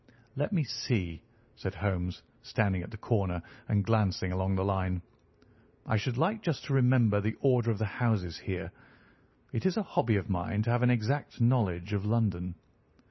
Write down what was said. "Let me see," said Holmes, standing at the corner and glancing along the line, "I should like just to remember the order of the houses here. It is a hobby of mine to have an exact knowledge of London.